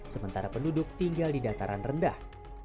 sementara penduduk tinggal di dataran rendah